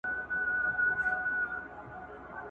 دغه پراخه ناوه د مرغې په نامه يادېږي